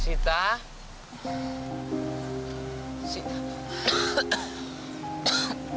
sita kita masih mau pergi